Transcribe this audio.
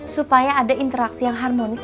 supaya ada interaksi yang harmonis